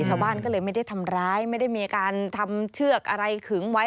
ชาวบ้านก็เลยไม่ได้ทำร้ายไม่ได้มีการทำเชือกอะไรขึงไว้